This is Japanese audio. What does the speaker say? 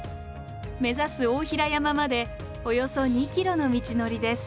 目指す大平山までおよそ２ｋｍの道のりです。